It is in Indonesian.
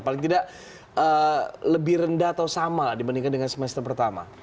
paling tidak lebih rendah atau sama dibandingkan dengan semester pertama